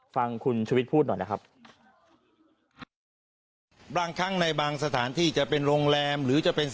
ฟังคุณชวิตพูดหน่อยนะครับ